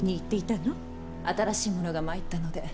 新しい者が参ったので。